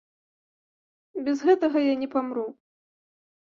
Без гэтага я не памру.